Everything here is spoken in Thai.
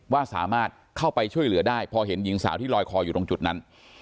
ว่าสามารถเข้าไปช่วยเหลือได้พอเห็นหญิงสาวที่ลอยคออยู่ตรงจุดนั้น